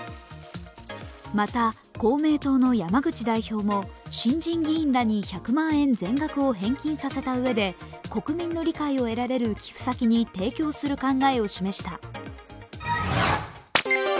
また、公明党の山口代表も新人議員らに１００万円全額を返金させたうえで国民の理解を得られる寄付先に提供する考えを示した。